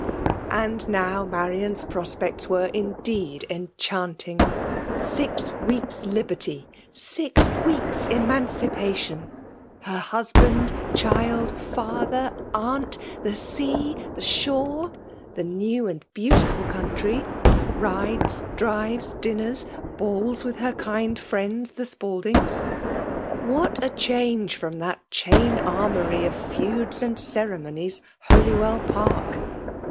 And now Marian s prospects were indeed enchanting! Six weeks* liberty, — ^sixwedls* emancipation^ — her husbands child, father, aunt ; the sea, the shore, the new and beauti ful country, — brides, drives, dinners, balls, with her kind friends the Spaldings ; what a change from that chain annoury of feuds and cert* monies, — Holywell Park